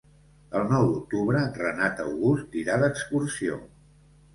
El nou d'octubre en Renat August irà d'excursió.